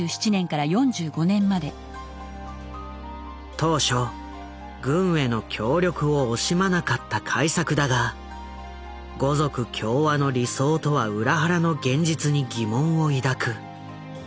当初軍への協力を惜しまなかった開作だが「五族協和」の理想とは裏腹の現実に疑問を抱く。